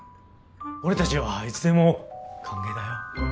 俺たちはいつでも歓迎だよ。